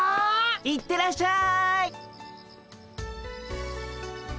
行ってらっしゃい。